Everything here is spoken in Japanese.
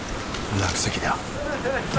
落石だ。